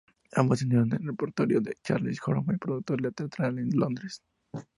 Ambos se unieron al repertorio de Charles Frohman, productor teatral, en Londres.